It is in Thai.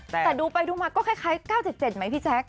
แต่ดูไปดูมาก็คล้าย๙๗๗ไหมพี่แจ๊ค